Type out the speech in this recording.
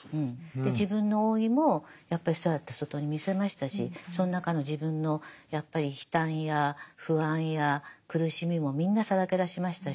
で自分の老いもやっぱりそうやって外に見せましたしその中の自分のやっぱり悲嘆や不安や苦しみもみんなさらけ出しましたし。